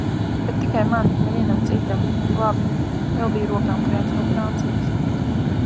Bet tikai man, nevienam citam. Labi. Vēl bija rokām krēms no Francijas.